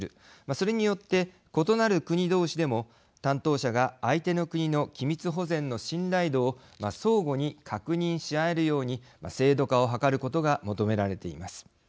それによって、異なる国同士でも担当者が相手の国の機密保全の信頼度を相互に確認し合えるように制度化を図ることが求められています。